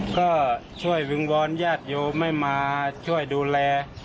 ก็ช่วยวิงวอนญาติโยมให้มาช่วยดูแล